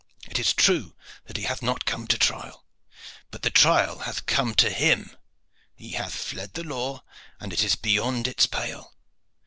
It is true that he hath not come to trial, but the trial hath come to him. He hath fled the law and is beyond its pale.